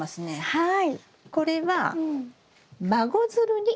はい。